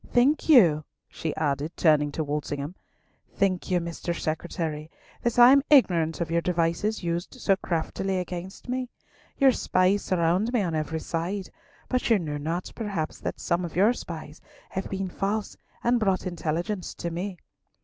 Think you," she added, turning to Walsingham, "think you, Mr. Secretary, that I am ignorant of your devices used so craftily against me? Your spies surrounded me on every side, but you know not, perhaps, that some of your spies have been false and brought intelligence to me.